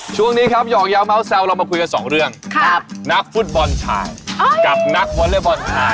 ช่วงนี้ครับหยอกเยาว์เซลล์เรามาคุยกันสองเรื่องครับ